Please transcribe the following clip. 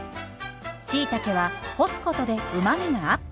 しいたけは干すことでうまみがアップ。